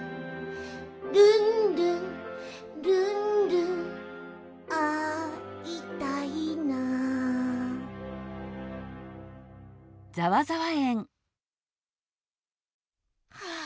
「ルンルンルンルン会いたいな」はあ。